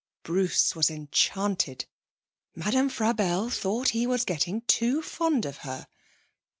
Bruce was enchanted. Madame Frabelle thought he was getting too fond of her!